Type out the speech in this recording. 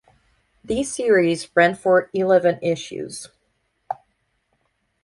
This series ran for eleven issues.